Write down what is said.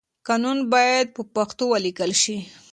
قانون بايد په پښتو وليکل شي.